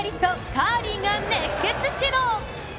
カーリーが熱血指導。